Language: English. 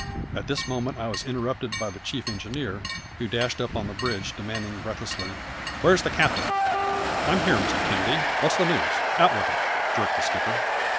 At this moment I was interrupted by the chief engineer, who dashed up on the bridge, demanding breathlessly: "Where is the captain?" "I am here, Mr Kennedy. What is the news? Out with it!" jerked the skipper.